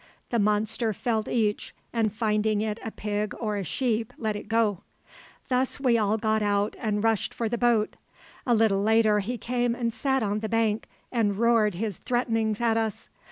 The monster felt each, and finding it a pig or a sheep let it go. Thus we all got out and rushed for the boat. A little later he came and sat on the bank and roared his threatenings at us.